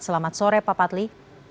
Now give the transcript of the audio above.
selamat sore pak patli